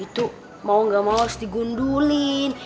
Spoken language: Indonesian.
kamu gak mau harus digundulin